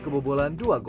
terima kasih juga